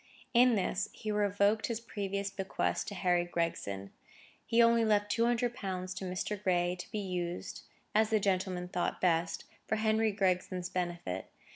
In this he revoked his previous bequest to Harry Gregson. He only left two hundred pounds to Mr. Gray to be used, as that gentleman thought best, for Henry Gregson's benefit.